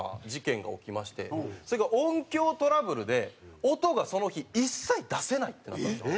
それが音響トラブルで音がその日一切出せないってなったんですよ。